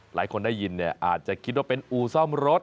หลายคนได้ยินเนี่ยอาจจะคิดว่าเป็นอู่ซ่อมรถ